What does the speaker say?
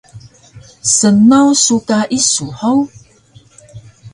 Snaw su ka isu hug?